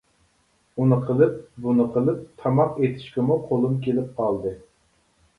ئۇنى قىلىپ، بۇنى قىلىپ تاماق ئېتىشكىمۇ قولۇم كېلىپ قالدى.